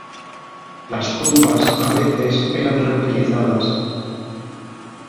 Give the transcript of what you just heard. Las tumbas a veces eran reutilizadas.